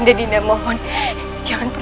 kau tidak mau kehilangan ayahanda lagi